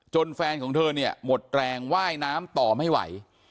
แฟนของเธอเนี่ยหมดแรงว่ายน้ำต่อไม่ไหว